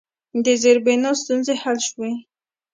د زیربنا ستونزې حل شوي؟